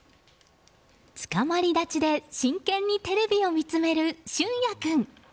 つかまり立ちで真剣にテレビを見つめる俊也君。